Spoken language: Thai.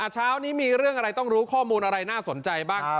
เช้านี้มีเรื่องอะไรต้องรู้ข้อมูลอะไรน่าสนใจบ้าง